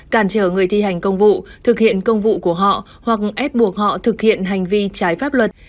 cản trở người thi hành công vụ thực hiện công vụ của họ hoặc ép buộc họ thực hiện hành vi trái pháp luật